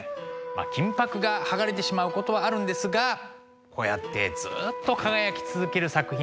金箔が剥がれてしまうことはあるんですがこうやってずっと輝き続ける作品もたくさんあります。